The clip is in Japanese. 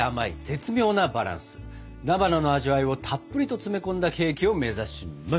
菜花の味わいをたっぷりと詰め込んだケーキを目指します。